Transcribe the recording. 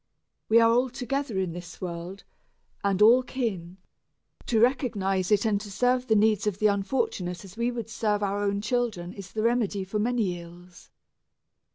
We are all together in this world, and all kin; to recognize it and to serve the needs of the unfortunate as we would serve our own children is the remedy for many ills.